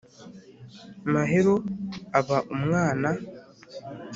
Mahero aba umwana